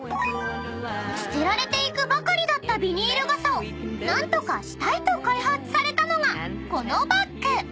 ［捨てられていくばかりだったビニール傘を何とかしたいと開発されたのがこのバッグ］